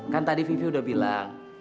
kan tadi vivi udah bilang